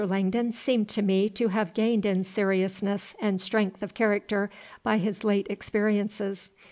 Langdon seemed to me to have gained in seriousness and strength of character by his late experiences.